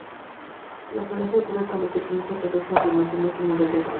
La falacia ocurre cuando se piensa que dos afirmaciones son igual de erróneas.